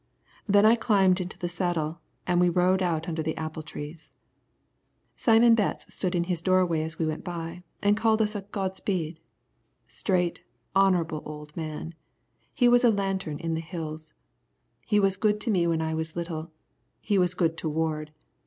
Then I climbed into the saddle, and we rode out under the apple trees. Simon Betts stood in his door as we went by, and called us a "God speed." Straight, honourable old man. He was a lantern in the Hills. He was good to me when I was little, and he was good to Ward.